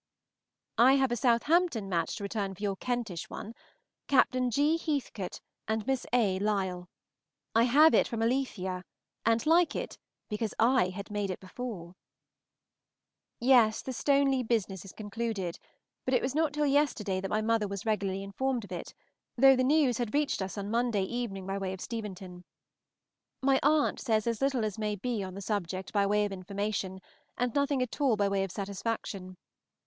I have a Southampton match to return for your Kentish one, Captain G. Heathcote and Miss A. Lyell. I have it from Alethea, and like it, because I had made it before. Yes, the Stoneleigh business is concluded, but it was not till yesterday that my mother was regularly informed of it, though the news had reached us on Monday evening by way of Steventon. My aunt says as little as may be on the subject by way of information, and nothing at all by way of satisfaction.